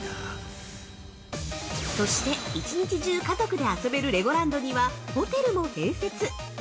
そして、一日中、家族で遊べるレゴランドには、ホテルも併設。